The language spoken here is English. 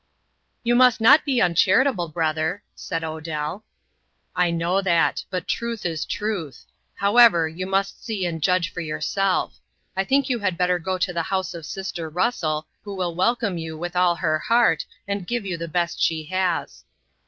"You must not be uncharitable, brother," said Odell. "I know that; but truth is truth. However, you must see and judge for yourself. I think you had better go to the house of sister Russell, who will welcome you with all her heart, and give you the best she has."